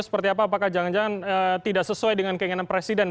seperti apa apakah jangan jangan tidak sesuai dengan keinginan presiden